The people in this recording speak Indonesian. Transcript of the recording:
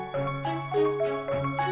tapi enak loh ma